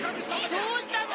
どうしたの？